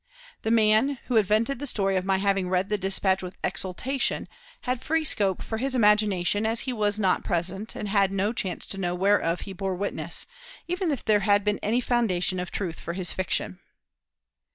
The man, who invented the story of my having read the dispatch with exultation, had free scope for his imagination, as he was not present, and had no chance to know whereof he bore witness, even if there had been any foundation of truth for his fiction.